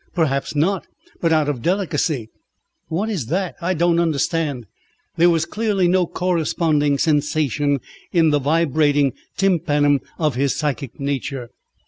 "Perhaps not but out of delicacy." "What is that? I don't understand." There was clearly no corresponding sensation in the vibrating tympanum of his psychic nature.